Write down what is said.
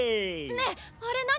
ねえあれ何？